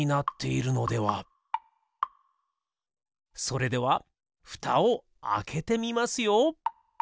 それではふたをあけてみますよ。